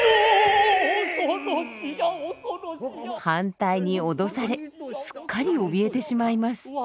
反対に脅されすっかりおびえてしまいます。